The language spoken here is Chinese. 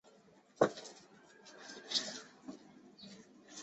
他的研究兴趣包括超新星环境和星际气体。